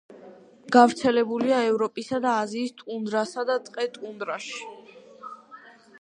გავრცელებულია ევროპისა და აზიის ტუნდრასა და ტყე-ტუნდრაში.